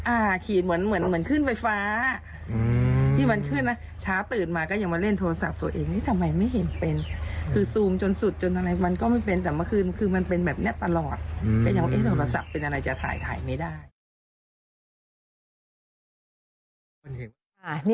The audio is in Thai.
ขีดเหมือนเหมือนขึ้นไฟฟ้าอืมที่มันขึ้นนะช้าตื่นมาก็ยังมาเล่นโทรศัพท์ตัวเองเอ๊ะทำไมไม่เห็นเป็นคือซูมจนสุดจนอะไรมันก็ไม่เป็นแต่เมื่อคืนคือมันเป็นแบบเนี้ยตลอดก็ยังว่าเอ๊ะโทรศัพท์เป็นอะไรจะถ่ายถ่ายไม่ได้